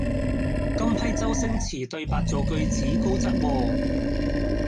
今批周星馳對白做句子高質喎